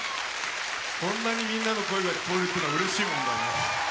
こんなにみんなの声が聞こえるっていうのはうれしいもんだね。